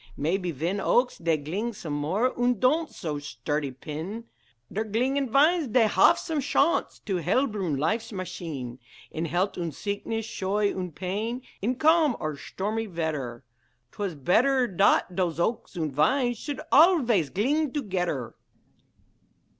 Maype, vhen oaks dhey gling some more, Und don'd so shturdy peen, Der glinging vines dhey haf some shance To helb run Life's masheen. In helt und sickness, shoy und pain, In calm or shtormy veddher, 'T was beddher dot dhose oaks und vines Should alvays gling togeddher.